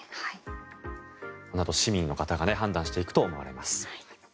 このあと市民の方が判断していくと思います。